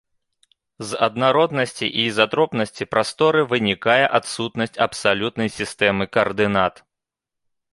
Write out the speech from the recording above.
З аднароднасці і ізатропнасці прасторы вынікае адсутнасць абсалютнай сістэмы каардынат.